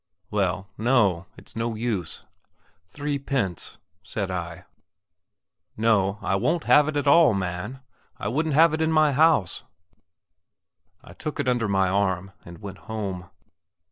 "Well, no; it's no use." "Three pence?" said I. "No; I won't have it at all, man! I wouldn't have it in the house!" I took it under my arm and went home.